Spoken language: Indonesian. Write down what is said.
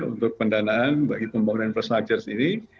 untuk pendanaan bagi pembangunan infrastruktur ini